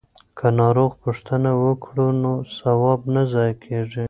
که ناروغ پوښتنه وکړو نو ثواب نه ضایع کیږي.